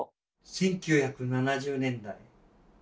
１９７０年代。